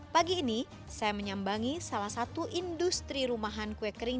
pagi ini saya menyambangi salah satu industri rumahan kue kering